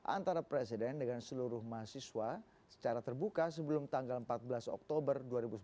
antara presiden dengan seluruh mahasiswa secara terbuka sebelum tanggal empat belas oktober dua ribu sembilan belas